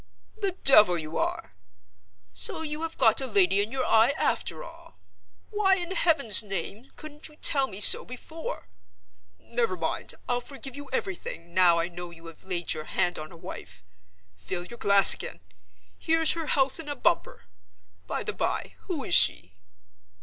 "The devil you are! So you have got a lady in your eye, after all? Why in Heaven's name couldn't you tell me so before? Never mind, I'll forgive you everything, now I know you have laid your hand on a wife. Fill your glass again. Here's her health in a bumper. By the by, who is she?"